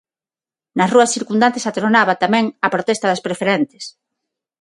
Nas rúas circundantes atronaba, tamén, a protesta das preferentes.